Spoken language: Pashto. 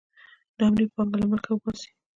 نا امني پانګه له ملکه وباسي.